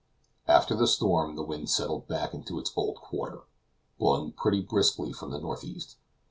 After the storm the wind settled back into its old quarter, blowing pretty briskly from the northeast.